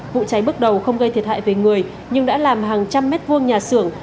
vụ cháy bước đầu không gây thiệt hại về người nhưng đã làm hàng trăm mét vuông nhà xưởng